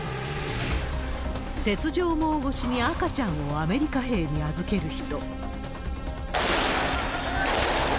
鉄条網越しに赤ちゃんをアメリカ兵に預ける人。